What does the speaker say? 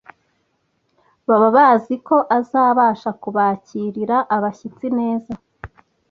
Baba bazi ko azabasha kubakirira abashyitsi neza,